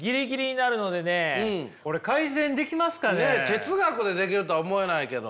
哲学でできるとは思えないけど。